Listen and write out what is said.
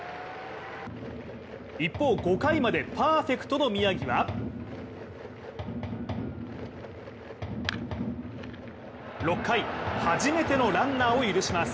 一方、５回までパーフェクトの宮城は６回、初めてのランナーを許します